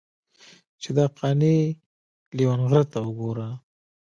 چې دا قانع لېونغرته وګوره.